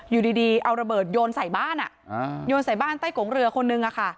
อยู่ดีดีเอาระเบิดโยนใส่บ้านอ่ะอ่าโยนใส่บ้านใต้โกงเรือคนหนึ่งอ่ะค่ะ